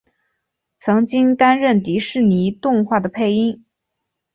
曾经担任迪士尼动画的配音。